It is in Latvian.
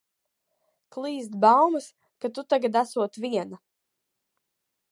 Klīst baumas, ka tu tagad esot viena.